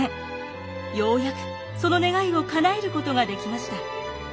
ようやくその願いをかなえることができました。